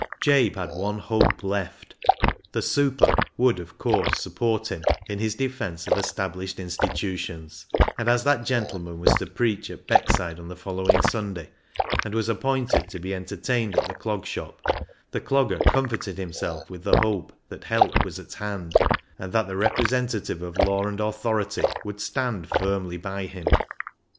Jabe had one hope left. The " super " would, of course, support him in his defence of estab lished institutions, and as that gentleman was to preach at Beckside on the following Sunday, and was appointed to be entertained at the Clog Shop, the Clogger comforted himself with the hope that help was at hand, and that the representative of law and authority would stand firmly by him.